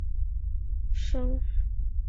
麒麟的升级棋。